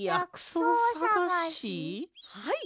はい！